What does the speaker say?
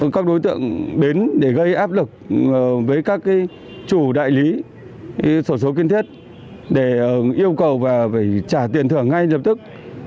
các đối tượng đến để gây áp lực với các chủ đại lý sổ số kiên thiết để yêu cầu và phải trả tiền thưởng ngay lập tức